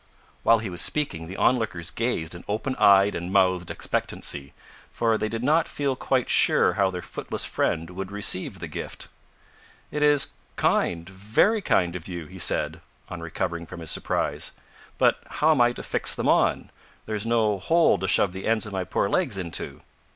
While he was speaking the on lookers gazed in open eyed and mouthed expectancy, for they did not feel quite sure how their footless friend would receive the gift. "It is kind, very kind of you," he said, on recovering from his surprise; "but how am I to fix them on? there's no hole to shove the ends of my poor legs into."